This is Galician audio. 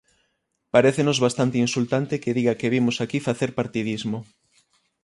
Parécenos bastante insultante que diga que vimos aquí facer partidismo.